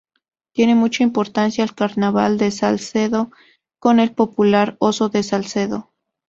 Tiene mucha importancia el carnaval de Salcedo, con el popular Oso de Salcedo.